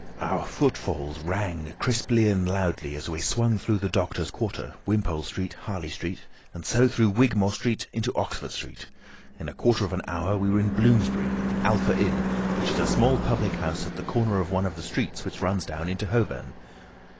Our footfalls rang out crisply and loudly as we swung through the doctors' quarter, Wimpole Street, Harley Street, and so through Wigmore Street into Oxford Street. In a quarter of an hour we were in Bloomsbury at the Alpha Inn, which is a small public house at the corner of one of the streets which runs down into Holborn.